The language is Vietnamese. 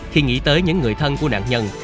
khi nghĩ tới những người thân của nạn nhân